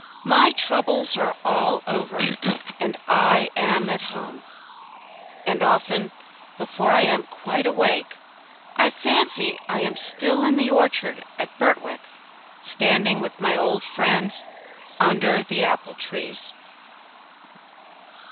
My troubles are all over, and I am at home; and often before I am quite awake, I fancy I am still in the orchard at Birtwick, standing with my old friends under the apple trees.